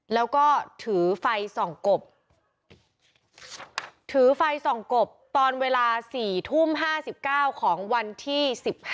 แล้วก็ถือไฟส่องกบถือไฟส่องกบตอนเวลา๔ทุ่ม๕๙ของวันที่๑๕